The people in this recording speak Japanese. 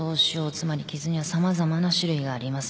つまり傷には様々な種類があります。